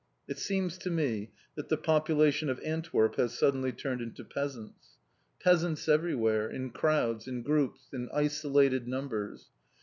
It seems to me that the population of Antwerp has suddenly turned into peasants. Peasants everywhere, in crowds, in groups, in isolated numbers.